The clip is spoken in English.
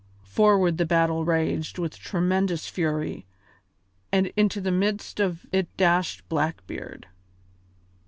Forward the battle raged with tremendous fury, and into the midst of it dashed Blackbeard.